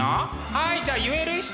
はいじゃあ言える人！